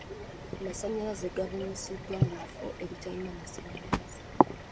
Amasannyalaze gabunyisiddwa mu bifo ebitalina masannyalaze.